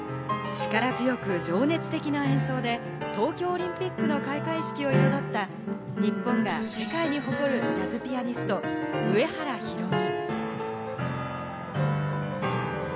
力強く情熱的な演奏で東京オリンピックの開会式を彩った、日本が世界に誇るジャズピアニスト・上原ひろみ。